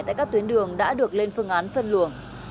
tại các tuyến đường đã được lên phương án phân luồng